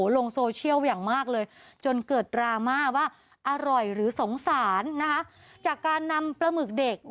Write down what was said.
รามาว่าอร่อยหรือสงสารจากการนำปลาหมึกเด็ก